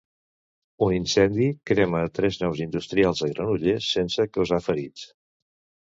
Un incendi crema tres naus industrials a Granollers sense causar ferits.